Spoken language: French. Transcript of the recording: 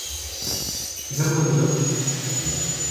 Vers neuf heures